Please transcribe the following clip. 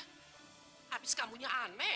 habis kamunya aneh